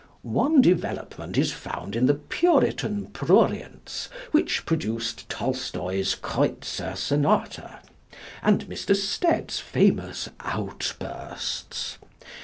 One development is found in the Puritan prurience which produced Tolstoi's "Kreutzer Sonata" and Mr. Stead's famous outbursts.